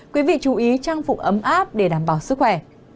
quý vị chú ý trang phục ấm áp để đảm bảo sức khỏe